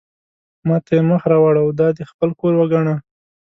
ما ته یې مخ را واړاوه: دا دې خپل کور وګڼه.